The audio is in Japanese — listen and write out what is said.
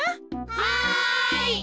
はい。